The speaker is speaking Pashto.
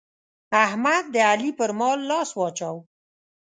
احمد د علي پر مال لاس واچاوو.